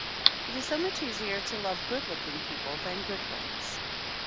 It is so much easier \ to love good looking people than good ones